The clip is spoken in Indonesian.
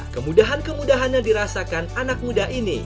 kemudahan kemudahan yang dirasakan anak muda ini